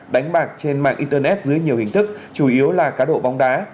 đánh bạc trên mạng internet dưới nhiều hình thức chủ yếu là cá độ bóng đá